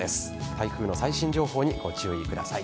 台風の最新情報にご注意ください。